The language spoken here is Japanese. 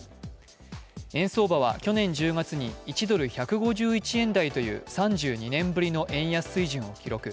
円相場は去年１０月に１ドル＝１５１円台という３２年ぶりの円安水準を記録。